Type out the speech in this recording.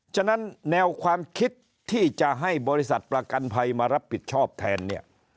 ฉะนั้นแนวความคิดที่จะให้บริษัทประกันภัยมารับผิดชอบแทนเนี่ย